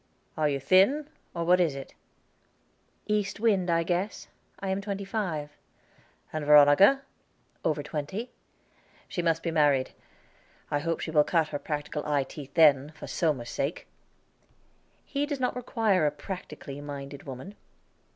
Are you thin, or what is it?" "East wind, I guess. I am twenty five." "And Veronica?" "Over twenty." "She must be married. I hope she will cut her practical eye teeth then, for Somers's sake." "He does not require a practically minded woman."